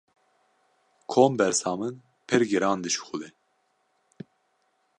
Kombersa min pir giran dişuxile.